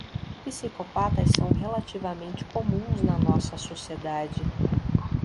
Psicopatas são relativamente comuns na nossa sociedade